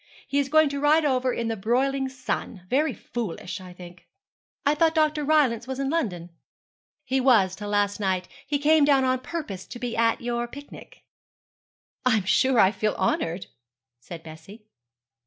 He is going to ride over in the broiling sun. Very foolish, I think.' 'I thought Dr. Rylance was in London?' 'He was till last night. He came down on purpose to be at your picnic.' 'I am sure I feel honoured,' said Bessie.